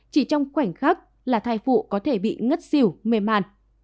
chỉ trong khoảnh khắc là thai phụ có thể bị ngất xỉu mê màn